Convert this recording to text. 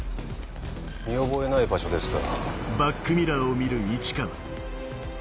見覚えない場所ですが。